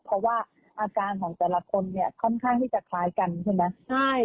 เพราะว่าอาการของแต่ละคนเนี่ยค่อนข้างที่จะคล้ายกันใช่ไหม